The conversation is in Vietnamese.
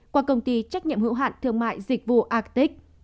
qua công ty trách nhiệm hữu hạn thương mại dịch vụ actic